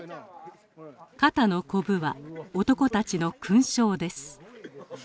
肩のコブは男たちの勲章です。